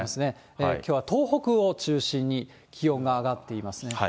きょうは東北を中心に、気温が上がっていますね。